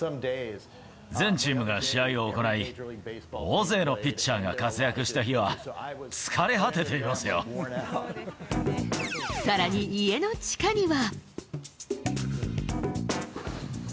全チームが試合を行い、大勢のピッチャーが活躍した日は、さらに家の地下には。